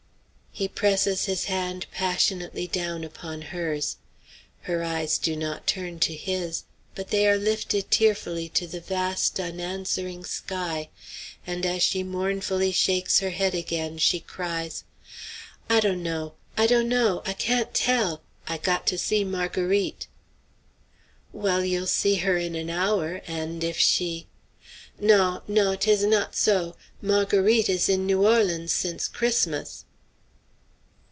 He presses his hand passionately down upon hers. Her eyes do not turn to his; but they are lifted tearfully to the vast, unanswering sky, and as she mournfully shakes her head again, she cries, "I dunno! I dunno! I can't tell! I got to see Marguerite." "Well, you'll see her in an hour, and if she" "Naw, naw! 'tis not so; Marguerite is in New Orleans since Christmas."